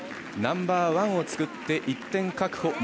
ナンバーワンを作って１点確保